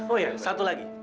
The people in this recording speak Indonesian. oh ya satu lagi